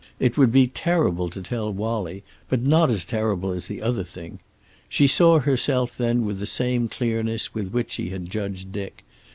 It would be terrible to tell Wallie, but not as terrible as the other thing. She saw herself then with the same clearness with which she had judged Dick.